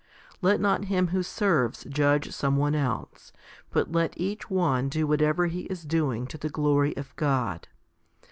Let not him who serves judge some one else, but let each one do whatever he is doing to the glory of God.